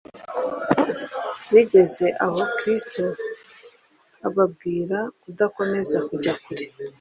Bigeze aho Kristo ababwira kudakomeza kujya kure.